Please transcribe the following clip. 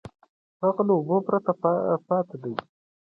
هغه له اوبو پرته پاتې دی.